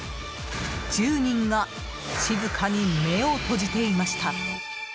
１０人が静かに目を閉じていました。